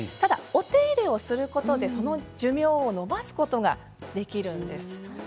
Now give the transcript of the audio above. お手入れをすることで寿命を伸ばすことができるんです。